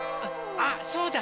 あっそうだ！